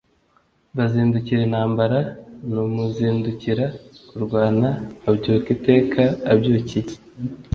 bazindukira intambara: ni umuzindukira kurwana abyuka iteka abyukiye